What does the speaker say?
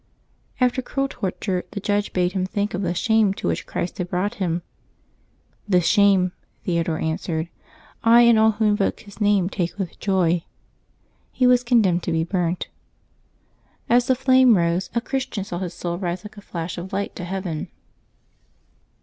After cruel torture, tlie judge bade him think of the shame to which Christ had brought him. *^ This shame," Theodore answered, " I and all who invoke His name take with joy." He was con demned to be burnt. As the flame rose, a Christian saw his soul rise like a flash of light to heaven.